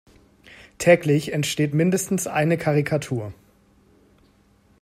Täglich entsteht mindestens eine Karikatur.